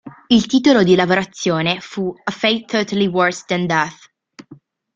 Il titolo di lavorazione fu "A Fate Totally Worse Than Death".